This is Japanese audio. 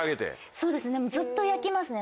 そうですねずっと焼きますね。